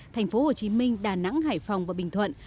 thành phố hồ chí minh đà nẵng hải phòng và bình thuận